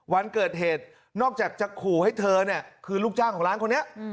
วันเกิดเหตุนอกจากจะขู่ให้เธอเนี่ยคือลูกจ้างของร้านคนนี้